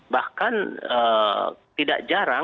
bahkan tidak jarang